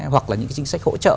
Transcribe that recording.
hoặc là những chính sách hỗ trợ